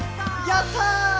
やった！